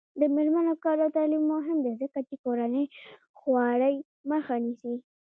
د میرمنو کار او تعلیم مهم دی ځکه چې کورنۍ خوارۍ مخه نیسي.